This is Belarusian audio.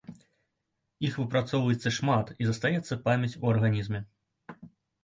Іх выпрацоўваецца шмат, і застаецца памяць у арганізме.